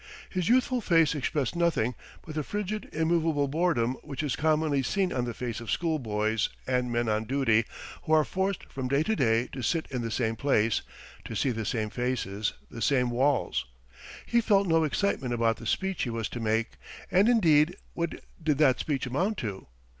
... His youthful face expressed nothing but the frigid, immovable boredom which is commonly seen on the face of schoolboys and men on duty who are forced from day to day to sit in the same place, to see the same faces, the same walls. He felt no excitement about the speech he was to make, and indeed what did that speech amount to?